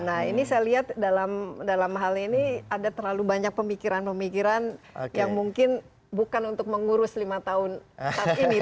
nah ini saya lihat dalam hal ini ada terlalu banyak pemikiran pemikiran yang mungkin bukan untuk mengurus lima tahun saat ini